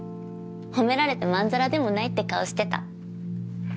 褒められてまんざらでもないって顔してた。